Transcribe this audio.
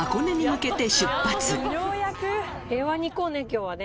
今日はね。